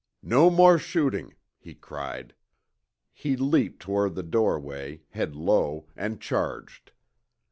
"No more shooting," he cried. He leaped toward the doorway, head low, and charged.